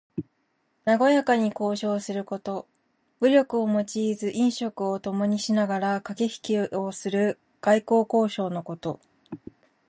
なごやかに交渉すること。武力を用いず飲食をともにしながらかけひきをする外交交渉のこと。